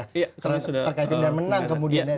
terkait dengan menang kemudian ya